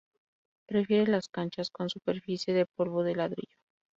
Prefiere las canchas con superficie de polvo de ladrillo.